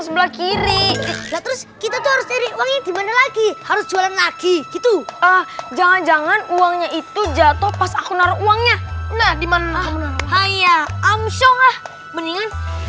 sampai jumpa di video selanjutnya